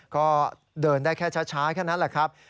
ก็เดินได้แค่ช้าแค่นั้นแหละครับ